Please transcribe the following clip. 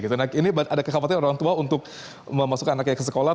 nah ini ada kekhawatiran orang tua untuk memasukkan anaknya ke sekolah